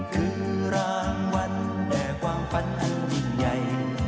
คือรางวัลแดกความฝันอันยิ่งใหญ่